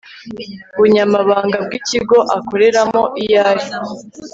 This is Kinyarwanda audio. bunyamabanga bw ikigo akoreramo iyo ari